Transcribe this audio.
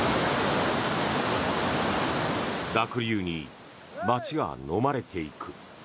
濁流に街がのまれていく。